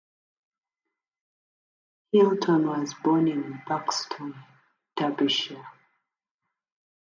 Hilton was born in Buxton, Derbyshire.